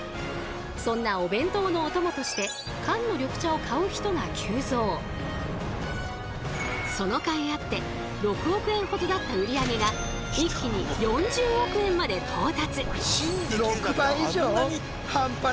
そんなお弁当のお供としてそのかいあって６億円ほどだった売り上げが一気に４０億円まで到達。